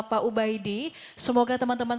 pak ubaidi semoga teman teman